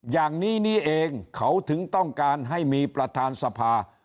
อย่างนี้นี่เองเขาถึงต้องการให้มีประธานสภา